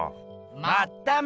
まっため！